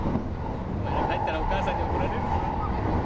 お前ら帰ったらお母さんにおこられるぞ。